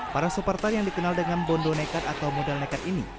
para supporter yang dikenal dengan bondo nekat atau modal nekat ini